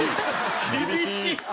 厳しい！